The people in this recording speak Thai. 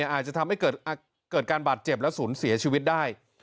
อาจจะทำให้เกิดการบาดเจ็บและศูนย์เสียชีวิตได้